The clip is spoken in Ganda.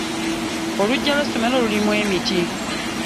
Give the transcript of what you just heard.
Oluggya lw'essomero lulimu emiti.